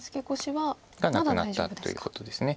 がなくなったということです。